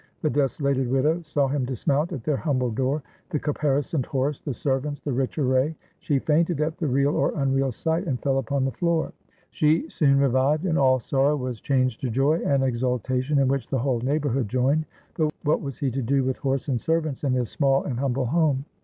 " The desolated widow saw him dismount at their humble door — the caparisoned horse, the servants, the rich array! She fainted at the real or unreal sight, and fell upon the floor. She soon revived, and all sorrow was changed to joy and exulta tion, in which the whole neighborhood joined. But what was he to do with horse and servants in his small and humble home?